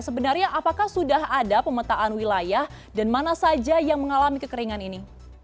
sebenarnya apakah sudah ada pemetaan wilayah dan mana saja yang mengalami kekeringan ini